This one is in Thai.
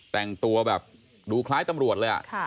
แต่งตัวแบบดูคล้ายตำรวจเลย